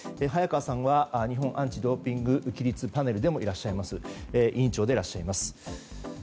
早川さんは日本アンチ・ドーピング規律パネルの委員長でもいらっしゃいます。